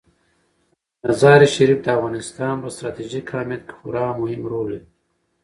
مزارشریف د افغانستان په ستراتیژیک اهمیت کې خورا مهم رول لري.